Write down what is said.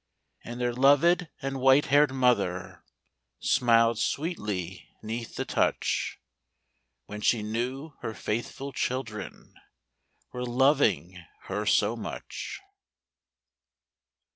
And their loved and white haired mother Smiled sweetly 'neath the touch, When she knew her faithful children Were loving her so much.